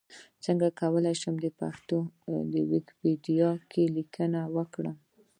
څنګه کولی شم چې پښتو ويکيپېډيا کې ليکنې وکړم؟